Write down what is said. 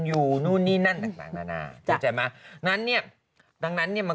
อยู่นู่นนี่นั่นนั่นนั่นนั่นน่านั้นเนี้ยดังนั้นเนี้ยมัน